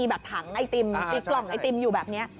แล้วมันก็จะมีกล้องไอติมอยู่แบบนี้